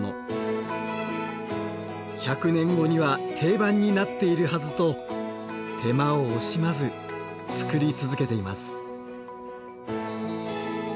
１００年後には定番になっているはずと手間を惜しまず作り続けています。